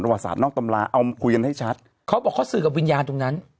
ศาสนอกตำราเอามาคุยกันให้ชัดเขาบอกเขาสื่อกับวิญญาณตรงนั้น